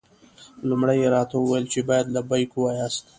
لومړی یې راته وویل چې باید لبیک ووایاست.